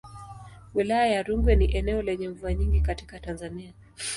Wilaya ya Rungwe ni eneo lenye mvua nyingi katika Tanzania.